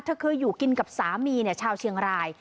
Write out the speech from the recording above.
เธอเคยอยู่กินกับสามีชาวเชียงราย